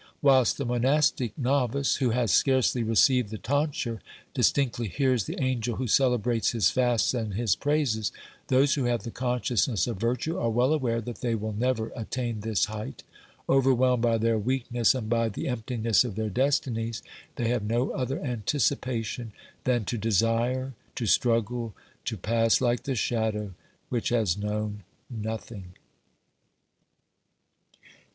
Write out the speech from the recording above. Whilst the monastic novice, who has scarcely received the tonsure, distinctly hears the angel who celebrates his fasts and his praises, those who have the consciousness of virtue are well aware that they will never attain this height ; over whelmed by their weakness and by the emptiness of their destinies, they have no other anticipation than to desire, to struggle, to pass Hke the shadow which has known nothing.